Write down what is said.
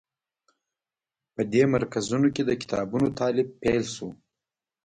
په دې مرکزونو کې د کتابونو تألیف پیل شو.